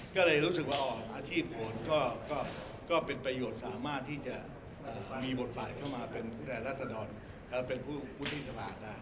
ก็เลยรู้สึกว่าอาทิตย์โผล่นก็เป็นประโยชน์สามารถที่จะมีบทภัยเข้ามาเป็นแหลกราศนรและเป็นผู้พุทธศพาส